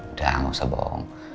udah gak usah bohong